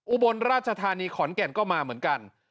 อุบลราชธานีขอนแก่นก็มาเหมือนกัน